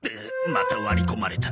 また割り込まれた。